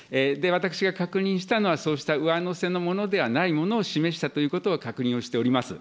私が確認したのは、そうした上乗せのものではないものを示したということは、確認をしております。